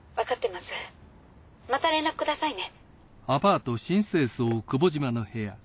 また連絡くださいね。